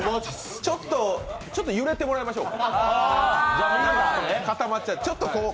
ちょっと揺れてもらいましょうか。